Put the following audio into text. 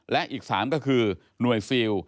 และอีก๓ก็คือหน่วยซิล